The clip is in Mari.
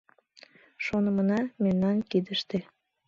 Шонымына — мемнан кидыште.